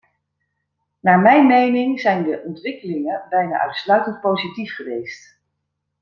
Naar mijn mening zijn de ontwikkelingen bijna uitsluitend positief geweest.